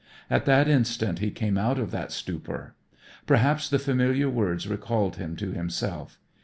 At that instant he came out of that stupor. Perhaps the familiar words recalled him to himself.